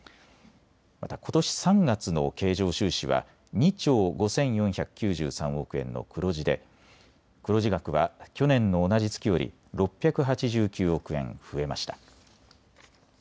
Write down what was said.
また、ことし３月の経常収支は２兆５４９３億円の黒字で黒字額は去年の同じ月より６８９億円増えました。